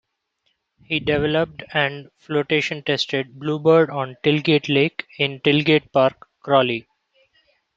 He developed and flotation-tested Blue Bird on Tilgate Lake, in Tilgate Park, Crawley.